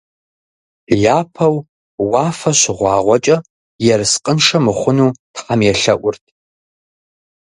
Япэу уафэ щыгъуагъуэкӀэ, ерыскъыншэ мыхъуну тхьэм елъэӀурт.